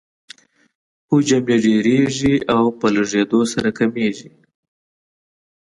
حجم یې ډیریږي او په لږیدو سره کمیږي.